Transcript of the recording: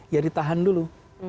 ya ditahan dulu